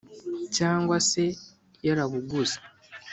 cyangwa se yarabuguze